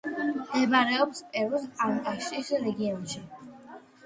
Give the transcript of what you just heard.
მდებარეობს პერუს ანკაშის რეგიონში.